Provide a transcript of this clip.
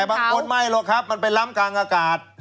แต่บางคนไม่หรอกครับมันไปล้ำกลางอากาศ